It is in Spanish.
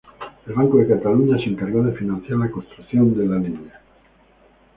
El Banco de Cataluña se encargó de financiar la construcción de la línea.